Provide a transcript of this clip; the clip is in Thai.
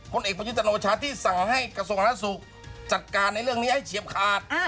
คนเอกประชุนโชษชาติที่สั่งให้กระทรวงศาสตร์ศูกจัดการในเรื่องนี้ให้เฉียบขาด